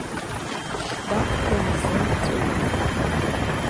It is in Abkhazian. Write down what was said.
Ԥшьба-хәба мзы нҵәеит.